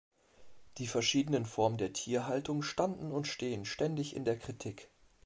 Die verschiedenen Formen der Tierhaltung standen und stehen ständig in der Kritik.